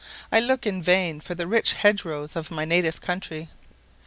I look in vain for the rich hedge rows of my native country.